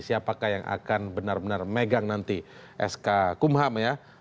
siapakah yang akan benar benar megang nanti sk kumham ya